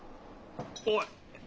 おい！